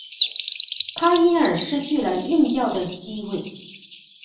他因而失去了任教的机会。